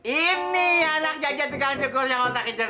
ini anak jajan tukang cukur yang mau tak kejar ya bener